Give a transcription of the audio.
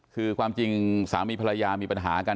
คือความจริงสามีภรรยามีปัญหากัน